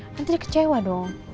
nanti dia kecewa dong